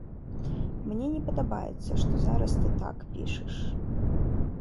Мне не падабаецца, што зараз ты так пішаш.